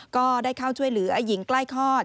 ก็ได้เข้าช่วยเหลือหญิงใกล้คลอด